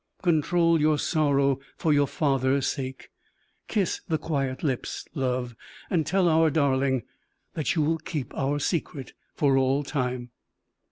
Control your sorrow for your father's sake. Kiss the quiet lips, love, and tell our darling that you will keep our secret for all time."